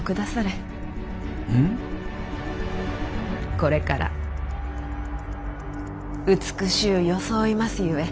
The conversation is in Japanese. これから美しう装いますゆえ。